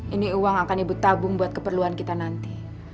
ini uang akan ibu tabung buat keperluan kita nanti